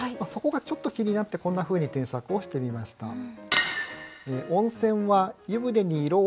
そこがちょっと気になってこんなふうに添削をしてみました。